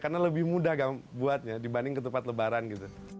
karena lebih mudah buatnya dibanding ketupat lebaran gitu